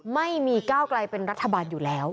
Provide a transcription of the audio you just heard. ไม่มีก้าวไกลเป็นรัฐบาลอยู่แล้ว